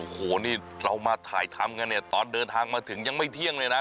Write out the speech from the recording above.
โอ้โหนี่เรามาถ่ายทำกันเนี่ยตอนเดินทางมาถึงยังไม่เที่ยงเลยนะ